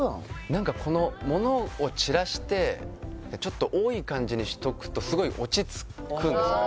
何かこの物を散らしてちょっと多い感じにしとくとすごい落ち着くんですよね